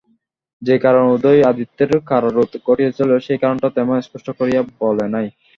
যে কারণে উদয় আদিত্যের কারারোধ ঘটিয়াছিল, সে কারণটা তেমন স্পষ্ট করিয়া বলে নাই।